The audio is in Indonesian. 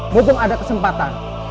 mumpung ada kesempatan